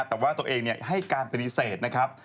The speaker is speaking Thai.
แต่ว่าตัวเองให้การปฏิเสธนะครับ